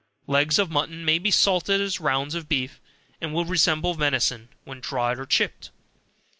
Legs of mutton may be salted as rounds of beef, and will resemble venison, when dried and chipped.